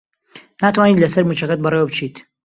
ناتوانیت لەسەر مووچەکەت بەڕێوە بچیت؟